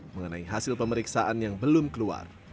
mengenai hasil pemeriksaan yang belum keluar